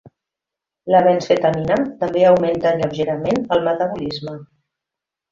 La benzfetamina també augmenta lleugerament el metabolisme.